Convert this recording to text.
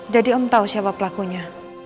jadi om tau siapa pelakunya